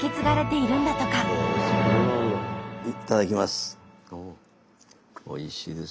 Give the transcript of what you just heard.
いただきます。